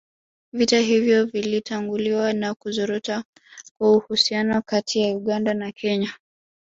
Vita hivyo vilitanguliwa na kuzorota kwa uhusiano kati ya Uganda na Tanzania